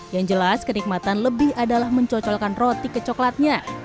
yang jelas kenikmatan lebih adalah mencocolkan roti ke coklatnya